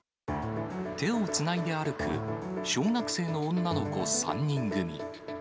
手をつないで歩く小学生の女の子３人組。